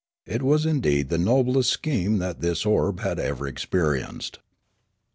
It was indeed the noblest scheme that this orb had ever experienced.